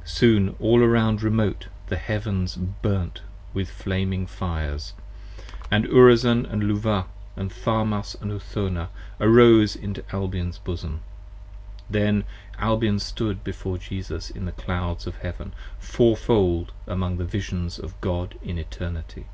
40 Soon all around remote the Heavens burnt with flaming fires, And Urizen & Luvah & Tharmas & Urthona arose into Albion's Bosom: Then Albion stood before Jesus in the Clouds 43 Of Heaven, Fourfold among the Visions of God in Eternity.